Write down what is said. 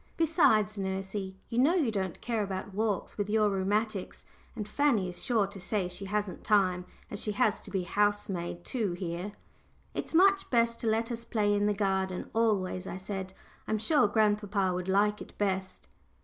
Besides, nursey, you know you don't care about walks with your rheumatics, and Fanny is sure to say she hasn't time, as she has to be housemaid too here." "It's much best to let us play in the garden always," I said. "I'm sure grandpapa would like it best."